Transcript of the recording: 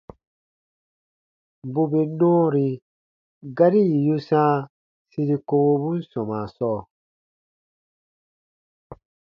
Bù bè nɔɔri gari yì yu sãa siri kowobun sɔmaa sɔɔ,